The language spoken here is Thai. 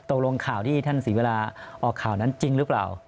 ข่าวที่ท่านศรีเวลาออกข่าวนั้นจริงหรือเปล่า